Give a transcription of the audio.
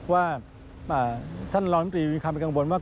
ว่าท่านรองตรีมีความเป็นกังวลว่า